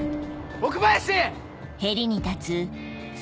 奥林！